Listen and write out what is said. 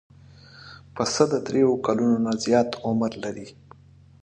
پسه د درېیو کلونو نه زیات عمر لري.